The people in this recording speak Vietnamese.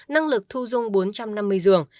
năng lực thu dung bốn trăm năm mươi giường